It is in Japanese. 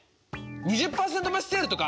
２０％増しセールとか？